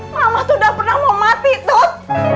mama tuh udah pernah mau mati tut